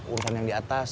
urusan yang di atas